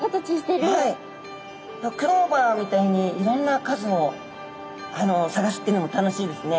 クローバーみたいにいろんな数を探すっていうのも楽しいですね。